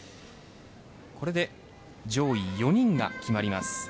これで上位４人が決まります。